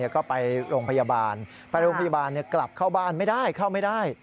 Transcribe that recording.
ก็ไปโรงพยาบาลไปโรงพยาบาลกลับเข้าบ้านไม่ได้เข้าไม่ได้